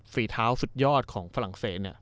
ฝีเท้าสุดยอดของฝรั่งเศสเนี่ย